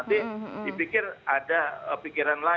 nanti dipikir ada pikiran lain